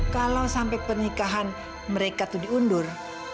kalau sampai pernikahan mereka itu diundur